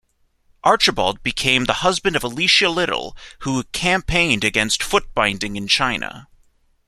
Archibald became the husband of Alicia Little who campaigned against foot binding in China.